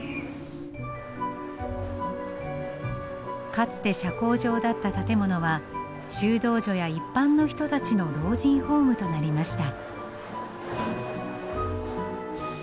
かつて社交場だった建物は修道女や一般の人たちの老人ホームとなりました。